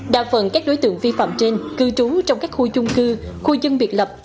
đa phần các đối tượng vi phạm trên cư trú trong các khu chung cư khu dân biệt lập